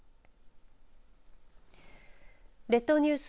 列島ニュース